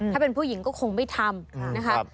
ถ้าเป็นผู้หญิงก็คงไม่ทำนะคะ